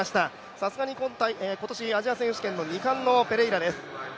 さすがに今年アジア選手権の２冠のペレイラです。